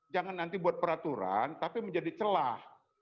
jangan nanti buat peraturan tapi menjadi celah